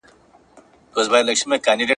شاید هغه غریب سړی زکات ته اړتیا ولري.